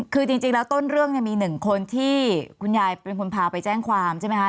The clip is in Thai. คือจริงแล้วต้นเรื่องเนี่ยมีหนึ่งคนที่คุณยายเป็นคนพาไปแจ้งความใช่ไหมคะ